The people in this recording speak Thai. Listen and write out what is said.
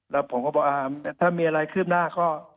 แล้วผมก็บอกถ้ามีอะไรคืบหน้าก็